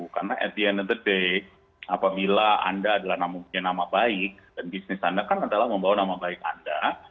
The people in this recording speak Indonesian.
karena at the end of the day apabila anda adalah mempunyai nama baik dan bisnis anda kan adalah membawa nama baik anda